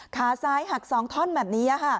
ขาซ้ายหัก๒ท่อนแบบนี้